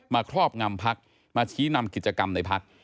มาครอบงำภักดิ์มาชี้นำกิจกรรมในภักดิ์